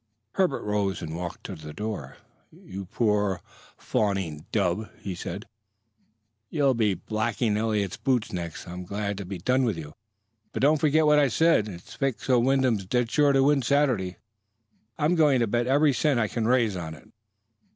Herbert rose and walked to the door. "You poor, fawning dub!" he said. "You'll be blacking Eliot's boots next. I'm glad to be done with you. But don't forget what I said, it's fixed so Wyndham's dead sure to win Saturday. I'm going to bet every cent I can raise on it."